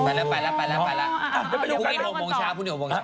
ไปแล้วพรุ่งอีก๖โมงเช้า